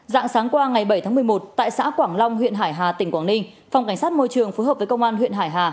dạng sáng qua ngày bảy tháng một mươi một tại xã quảng long huyện hải hà tỉnh quảng ninh phòng cảnh sát môi trường phối hợp với công an huyện hải hà